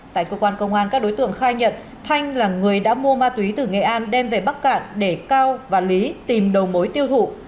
tại cơ quan công an các đối tượng khai nhận thanh là người đã mua ma túy từ nghệ an đem về bắc cạn để cao và lý tìm đầu mối tiêu thụ